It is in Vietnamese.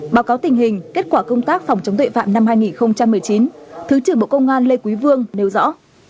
báo cáo tình hình kết quả công tác phòng chống tuệ phạm năm hai nghìn một mươi chín thứ trưởng bộ công an lê quý vương nêu rõ